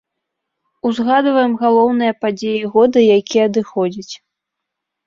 Узгадваем галоўныя падзеі года, які адыходзіць.